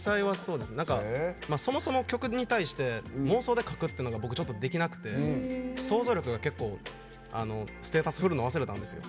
そもそも曲に対して妄想で書くっていうのが僕、ちょっとできなくて想像力が結構、ステータス振るの忘れたんですよ。